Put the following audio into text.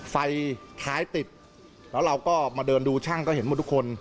ไฟท้ายติดแล้วเราก็มาเดินดูช่างก็เห็นหมดทุกคน